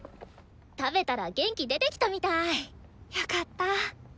食べたら元気出てきたみたい。よかった。